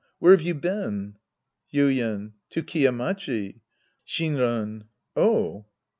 Where've you been ? Yuien. To Kiya Machi. Shinran. Oh.